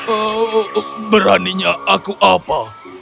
ehm beraninya aku apa